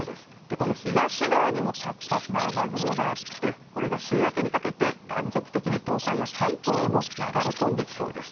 この東側にも活発な雨雲があって、これが週明けにかけて断続的に東海や関東へも流れ込んできそうです。